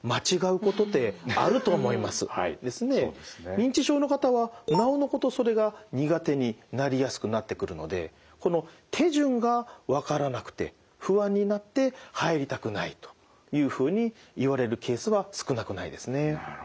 認知症の方はなおのことそれが苦手になりやすくなってくるのでこの手順がわからなくて不安になって入りたくないというふうに言われるケースは少なくないですね。